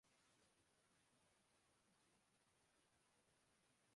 دنیا میں ہر کسی کو کسی نہ کسی شے کی ضرورت ہے۔